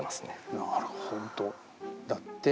なるほどだって！